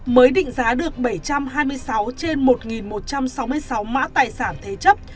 mới định giá được bảy trăm hai mươi sáu trên một một trăm sáu mươi sáu mã tài sản thế chấp